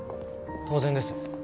当然です。